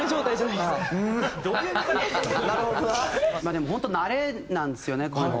でも本当慣れなんですよねこういうの。